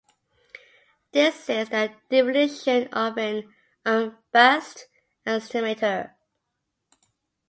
This is the definition of an unbiased estimator.